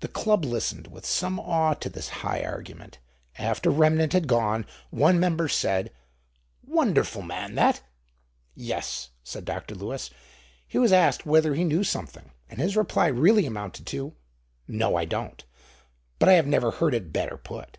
The club listened with some awe to this high argument. After Remnant had gone, one member said: "Wonderful man, that." "Yes," said Dr. Lewis. "He was asked whether he knew something. And his reply really amounted to 'No, I don't.' But I have never heard it better put."